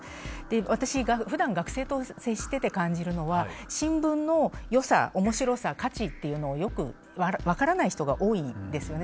私がふだん学生と接してて感じるのは新聞のよさ面白さ価値っていうのをよく分からない人が多いんですよね。